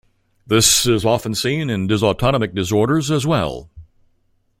This is often seen in dysautonomic disorders as well.